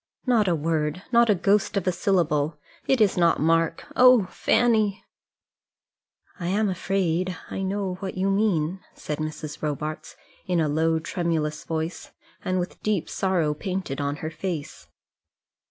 "Not a word, not a ghost of a syllable. It is not Mark; oh, Fanny!" "I am afraid I know what you mean," said Mrs. Robarts in a low tremulous voice, and with deep sorrow painted on her face.